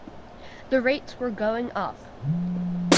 The rates were going up.